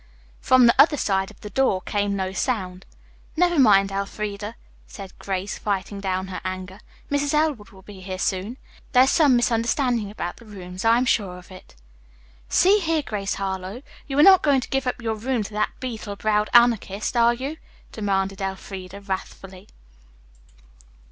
From the other side of the door came no sound. "Never mind, Elfreda," said Grace, fighting down her anger. "Mrs. Elwood will be here soon. There is some misunderstanding about the rooms. I am sure of it." "See here, Grace Harlowe, you are not going to give up your room to that beetle browed anarchist, are you?" demanded Elfreda wrathfully.